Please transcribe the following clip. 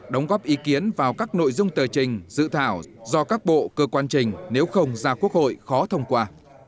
đóng góp ý kiến vào các nội dung tờ trình dự thảo do các bộ cơ quan trình nếu không ra quốc hội khó thông qua